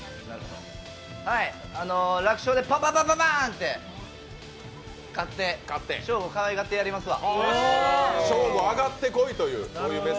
楽勝でパパパパンって勝ってショーゴをかわいがってやりますわ。